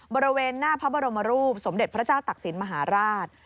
บริเวณหน้าพระบรมรูปสมเด็จพระเจ้าตักศิลปมหาราช